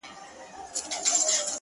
مه راته وايه چي د کار خبري ډي ښې دي ـ